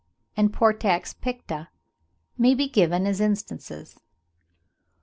70) and Portax picta may be given as instances.